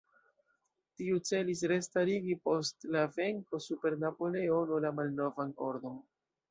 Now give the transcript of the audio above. Tiu celis restarigi post la venko super Napoleono la malnovan ordon.